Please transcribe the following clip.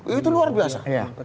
itu luar biasa